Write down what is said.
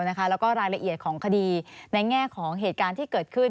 แล้วก็รายละเอียดของคดีในแง่ของเหตุการณ์ที่เกิดขึ้น